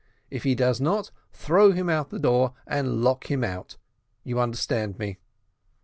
If he does not, throw him out of the door, and lock him out. You understand me."